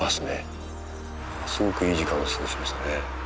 すごくいい時間を過ごしましたね。